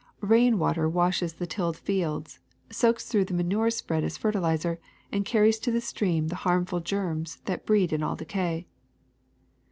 Eain water washes the tilled fields, soaks through the manure spread as fertilizer, and carries to the stream the harmful germs that breed in all decay.